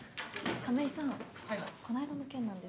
亀井さん